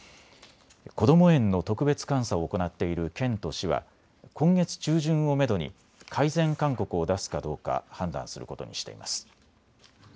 こども園の特別監査を行っている県と市は今月中旬をめどに改善勧告を出すかどうか判断することにしています。